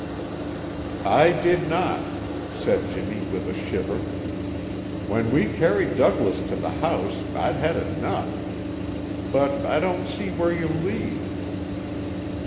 "I did not," said Jimmy with a shiver. "When we carried Douglas to the house I'd had enough. But I don't see where you lead."